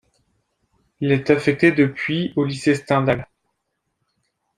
Il est affecté depuis au lycée Stendhal.